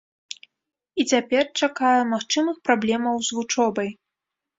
І цяпер чакае магчымых праблемаў з вучобай.